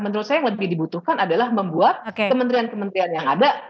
menurut saya yang lebih dibutuhkan adalah membuat kementerian kementerian yang ada